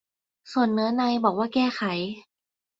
ส่วนเนื้อในบอกว่า "แก้ไข"